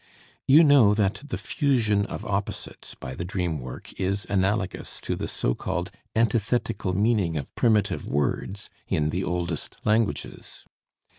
You know that the fusion of opposites by the dream work is analogous to the so called "antithetical meaning of primitive words," in the oldest languages.